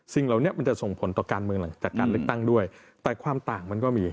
สิ่งเหล่านี้มันจะส่งผลต่อการเมืองหลัง